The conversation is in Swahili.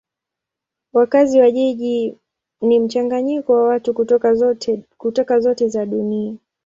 Wakazi wa jiji ni mchanganyiko wa watu kutoka zote za dunia.